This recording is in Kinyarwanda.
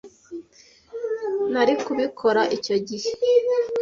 nari kubikora icyo gihe.